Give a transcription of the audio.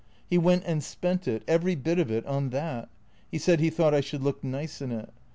" He went and spent it, every bit of it, on that. He said he thought I should look nice in it.